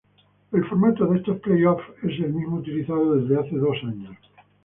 El formato de estos playoffs es el mismo utilizado desde hace dos años.